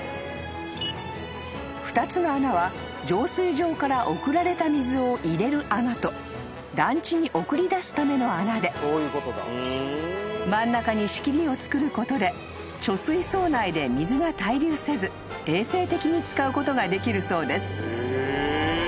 ［２つの穴は浄水場から送られた水を入れる穴と団地に送り出すための穴で真ん中に仕切りを作ることで貯水槽内で水が滞留せず衛生的に使うことができるそうです］